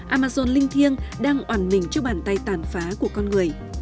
amazon linh thiêng đang oản mình cho bàn tay tàn phá của con người